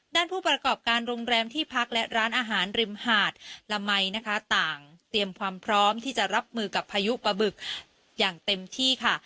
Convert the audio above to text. ผู้ประกอบการโรงแรมที่พักและร้านอาหารริมหาดละมัยนะคะต่างเตรียมความพร้อมที่จะรับมือกับพายุปะบึกอย่างเต็มที่ค่ะ